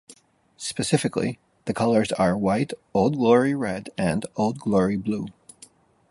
Specifically, the colors are "White", "Old Glory Red", and "Old Glory Blue".